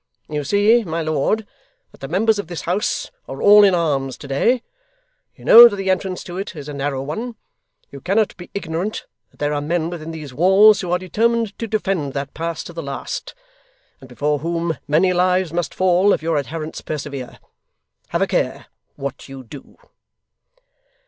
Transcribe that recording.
You see, my lord, that the members of this House are all in arms to day; you know that the entrance to it is a narrow one; you cannot be ignorant that there are men within these walls who are determined to defend that pass to the last, and before whom many lives must fall if your adherents persevere. Have a care what you do.